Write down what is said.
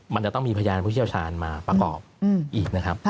มันจะต้องมีพยานผู้เชี่ยวชาญมาประกอบอีกนะครับ